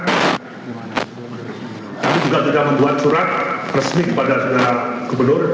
kami juga sudah membuat surat resmi kepada saudara gubernur